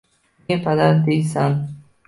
meni padar deysan